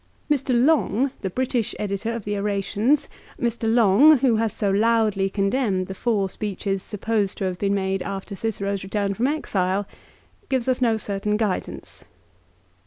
Mr. Long, the British editor of the Orations, Mr. Long, who has so loudly condemned the four speeches supposed to have been made after Cicero's return from exile, gives us no certain guidance.